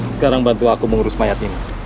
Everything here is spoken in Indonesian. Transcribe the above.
sekarang bantu aku mengurus mayat ini